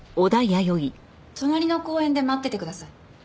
隣の公園で待っててください。